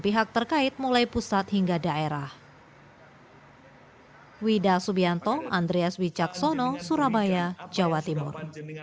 pihak terkait mulai pusat hingga daerah wida subianto andreas wicaksono surabaya jawa timur